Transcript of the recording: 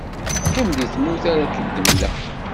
qqim di tmurt ara k-d-mmleɣ.